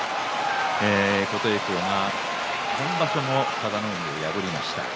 琴恵光が今場所も佐田の海を破りました。